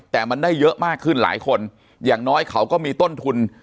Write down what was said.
แต่มันได้เยอะมากขึ้นหลายคนอย่างน้อยเขาก็มีต้นทุน